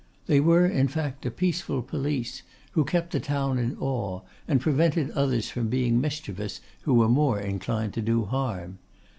They were, in fact, a peaceful police, who kept the town in awe, and prevented others from being mischievous who were more inclined to do harm.